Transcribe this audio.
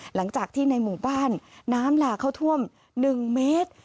หลังจากที่ในหมู่บ้านน้ำหลากเข้าท่วม๑เมตร